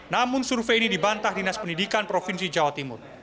namun survei ini dibantah dinas pendidikan provinsi jawa timur